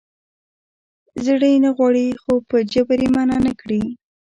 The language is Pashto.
زړه یې نه غواړي خو په جبر یې منع نه کړي.